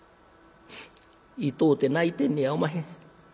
「痛うて泣いてんのやおまへん。